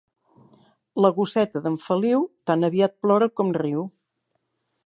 La gosseta d'en Feliu tan aviat plora com riu.